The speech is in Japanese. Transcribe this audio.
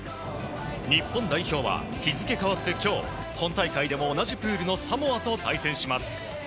日本代表は日付変わって今日本大会でも同じプールのサモアと対戦します。